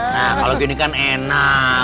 nah kalau gini kan enak